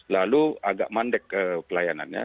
lalu agak mandek pelayanannya